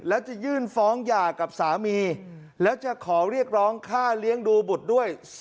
แล้วจะยื่นฟ้องหย่ากับสามีแล้วจะขอเรียกร้องค่าเลี้ยงดูบุตรด้วย